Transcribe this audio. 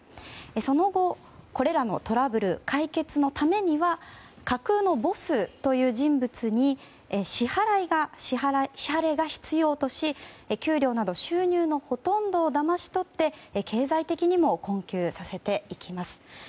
その後、これらのトラブル解決のためには架空のボスという人物に支払いが必要とし給料など収入のほとんどをだまし取って経済的にも困窮させていきます。